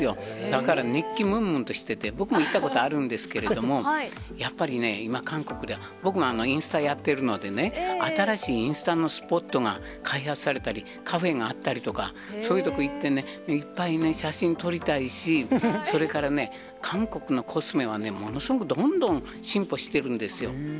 だから熱気むんむんとしてて、僕も行ったことあるんですけれども、やっぱりね、今韓国では、僕、インスタやってるので、新しいインスタのスポットが開発されたり、カフェがあったりとか、そういうとこ行ってね、いっぱいね、写真撮りたいし、それからね、韓国のコスメはものすごく、どんどん進歩してるんですよ。